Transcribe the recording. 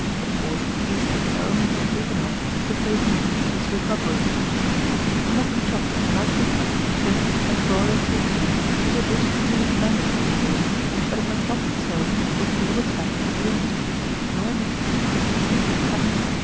Of course, these things are only partaken of, supposing the patient is recovering. 1850. A mutton chop, nicely cut, trimmed, and broiled to a turn, is a dish to be recommended for invalids; but it must not be served with all the fat at the end, nor must it be too thickly cut.